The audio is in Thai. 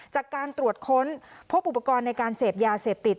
จากการตรวจค้นพบอุปกรณ์ในการเสพยาเสพติด